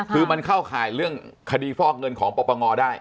คือมันเข้าข่ายเรื่องคดีฟอกเงินของปปงได้